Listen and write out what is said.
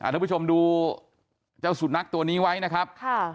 ทุกผู้ชมดูเจ้าสุนัขตัวนี้ไว้นะครับ